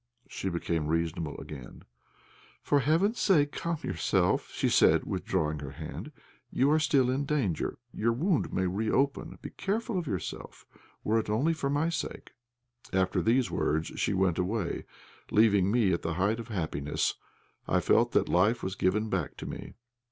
She became reasonable again. "For heaven's sake, calm yourself," she said, withdrawing her hand. "You are still in danger; your wound may reopen; be careful of yourself were it only for my sake." After these words she went away, leaving me at the height of happiness. I felt that life was given back to me.